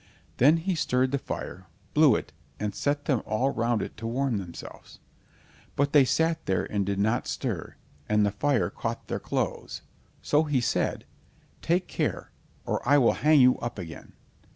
Then he stirred the fire, blew it, and set them all round it to warm themselves. But they sat there and did not stir, and the fire caught their clothes. So he said: "Take care, or I will hang you up again."